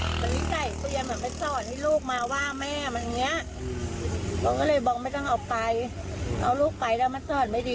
เราก็เลยบอกไม่ต้องเอาไปเอาลูกไปแล้วมันสอดไม่ดี